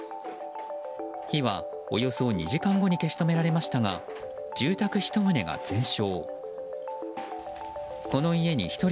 火はおよそ２時間後に消し止められましたが住宅１棟が全焼。